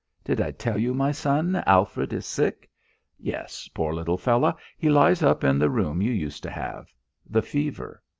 Did I tell you, my son Alfred is sick? Yes, poor little fellow, he lies up in the room you used to have. The fever.